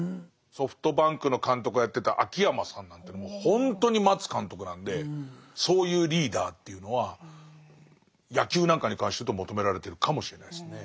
ソフトバンクの監督をやってた秋山さんなんていうのもほんとに待つ監督なんでそういうリーダーっていうのは野球なんかに関して言うと求められてるかもしれないですね。